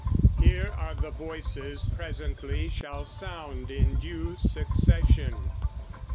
Here are the voices presently shall sound In due succession.